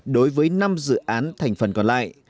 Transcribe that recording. đối với năm dự án thành phần còn lại